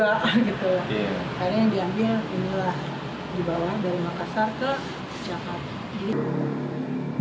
akhirnya yang diambil inilah dibawa dari makassar ke jakarta